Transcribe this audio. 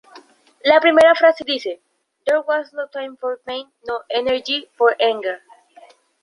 La primera frase dice: "There was no time for pain, no energy for anger.